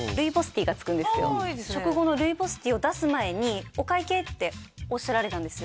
食後のルイボスティーを出す前に「お会計」っておっしゃられたんですよ